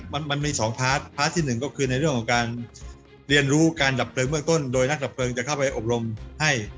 มันมันมีสองพาร์ทพาร์ทที่หนึ่งก็คือในเรื่องของการเรียนรู้การดับเพลิงเบื้องต้นโดยนักดับเพลิงจะเข้าไปอบรมให้